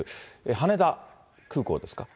羽田空港ですか。